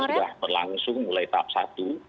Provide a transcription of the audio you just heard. ini kita sudah berlangsung mulai tahap satu